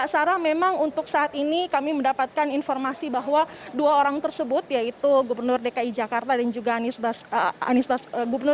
sarah memang untuk saat ini kami mendapatkan informasi bahwa dua orang tersebut yaitu gubernur dki jakarta dan juga anies baswedan